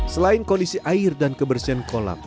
selain kondisi air dan kebersihan kolam